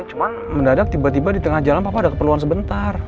cuma mendadak tiba tiba di tengah jalan papa ada keperluan sebentar